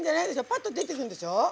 パッと出てくんでしょ？